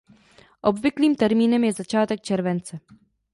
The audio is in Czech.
Obvyklým termínem je začátek července.